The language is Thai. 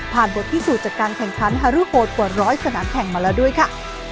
บทพิสูจน์จากการแข่งขันฮารุโฮดกว่าร้อยสนามแข่งมาแล้วด้วยค่ะ